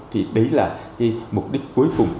thì đấy là cái mục đích cuối cùng